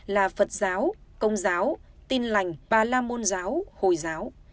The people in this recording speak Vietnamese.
là phật giáo công giáo tin lành bà la môn giáo hồi giáo